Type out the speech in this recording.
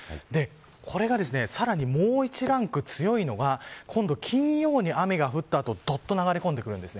これがさらにもう１ランク強いのが今度、金曜に雨が降った後どっと流れ込んできます。